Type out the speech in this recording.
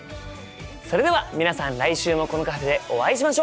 それでは皆さん来週もこのカフェでお会いしましょう！